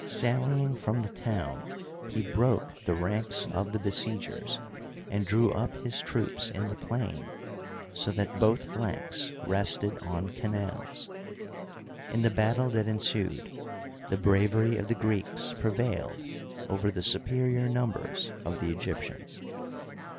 Sallying from the town, he broke the ranks of the besi^ers and drew up his troops in the plain so that both flanks rested on canals. In the battle that ensued the bravery of the Greeks pre vailed over the superior numbers of the Egyptians.